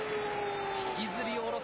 引きずり下ろす